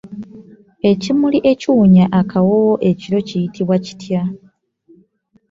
Ekimuli ekiwunya akawoowo ekiro kiyitibwa kitya?